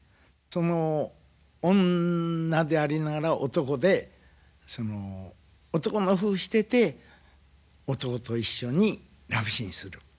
その女でありながら男でその男のふうしてて男と一緒にラブシーンする。